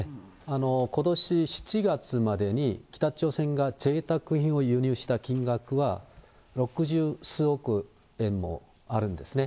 ことし７月までに、北朝鮮がぜいたく品を輸入した金額は六十数億円もあるんですね。